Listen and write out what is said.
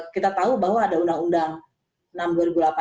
kita tahu bahwa ada undang undang no enam